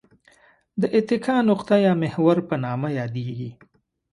د اتکا نقطه یا محور په نامه یادیږي.